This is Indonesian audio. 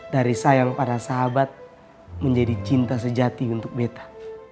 dari sayang para sahabat menjadi cinta sejati untuk beta